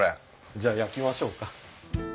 じゃあ焼きましょうか。